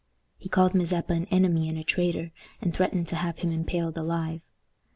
He called Mazeppa an enemy and a traitor, and threatened to have him impaled alive.